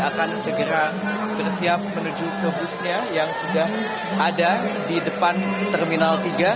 akan segera bersiap menuju ke busnya yang sudah ada di depan terminal tiga